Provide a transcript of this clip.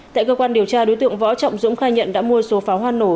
tại cơ quan điều tra đối tượng võ trọng dũng khai nhận đã mua số pháo hoa nổ